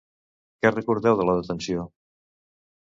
Què recordeu de la detenció?